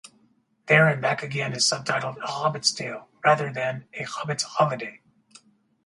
"There and Back Again" is subtitled "A Hobbit's Tale" rather than "A Hobbit's Holiday".